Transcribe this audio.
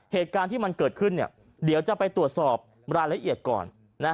เหตุการณ์ที่มันเกิดขึ้นเดี๋ยวจะไปตรวจสอบรายละเอียดก่อน